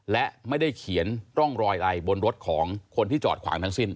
และไม่ได้เขียนร่องรอยอะไรบนรถของคนที่จอดขวางทั้งสิ้น